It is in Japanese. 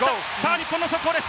日本の速攻です。